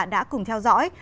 đã cùng theo dõi